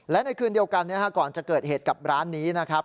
และในคืนเดียวกันก่อนจะเกิดเหตุกับร้านนี้นะครับ